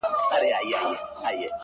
د چا په برېت کي ونښتې پېزوانه سرگردانه _